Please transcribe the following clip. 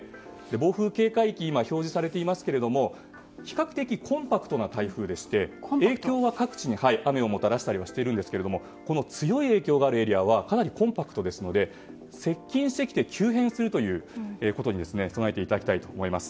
暴風警戒域が表示されていますが比較的、コンパクトな台風でして影響は各地に、雨をもたらしたりはしているんですがこの強い影響があるエリアはかなりコンパクトなので接近してきて急変するということに備えていただきたいと思います。